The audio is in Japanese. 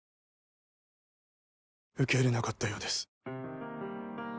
受け入れなかったようです